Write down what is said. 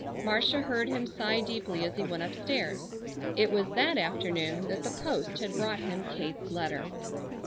Marcia heard him sigh deeply as he went upstairs. It was that afternoon that the post had brought him Kate's letter.